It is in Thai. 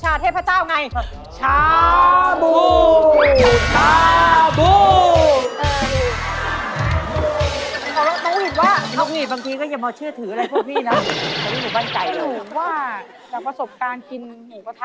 แต่จริงมันไม่ได้ออกชาบูชันเต้นหรอก